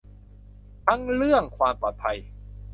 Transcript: ทั้งเรื่องความปลอดภัย